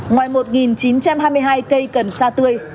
ngoài một chín trăm hai mươi hai cây cần sa tươi